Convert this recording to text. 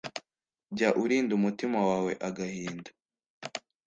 jya urinda umutima wawe agahinda